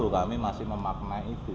kami masih memaknai itu